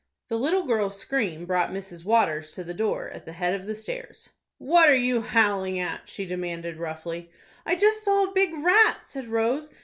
The little girl's scream brought Mrs. Waters to the door at the head of the stairs. "What are you howling at?" she demanded, roughly. "I just saw a big rat," said Rose.